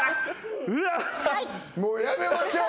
もうやめましょう。